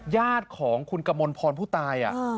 ญาติของคุณกมลพรผู้ตาย